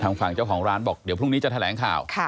ทางฝ่านเจ้าของร้านบอกว่าวันนี้จะแถลงข่าว